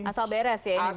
asal beres ya ini banjir